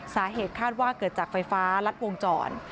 สาเหตุคาดว่าเกิดจากไฟฟ้ารัดวงจร